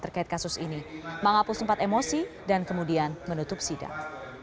terkait kasus ini mangapul sempat emosi dan kemudian menutup sidang